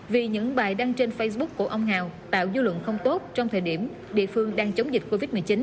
vì những bài đăng trên facebook của ông hào tạo dư luận không tốt trong thời điểm địa phương đang chống dịch covid một mươi chín